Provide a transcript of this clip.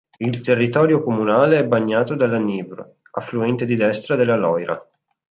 Il territorio comunale è bagnato dalla Nièvre, affluente di destra della Loira.